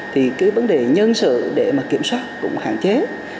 thì cái vấn đề nhân sự để mà kiểm soát cũng hạn chế